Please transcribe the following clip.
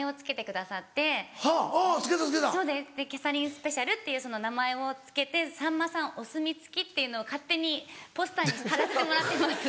スペシャルっていう名前を付けて「さんまさんお墨付き」っていうのを勝手にポスターにして張らせてもらってます。